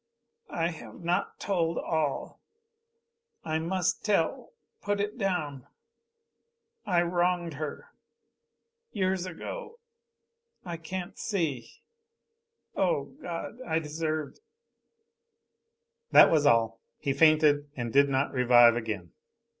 "I have not told all. I must tell put it down I wronged her. Years ago I can't see O God I deserved " That was all. He fainted and did not revive again.